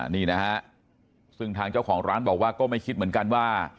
นี่นะฮะซึ่งทางเจ้าของร้านบอกว่าก็ไม่คิดเหมือนกันว่า